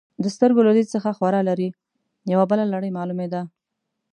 د سترګو له دید څخه خورا لرې، یوه بله لړۍ معلومېده.